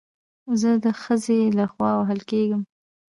زه د خځې له خوا وهل کېږم